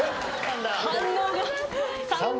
反応が。